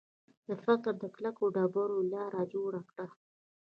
د فقر له کلکو ډبرو یې لاره جوړه کړه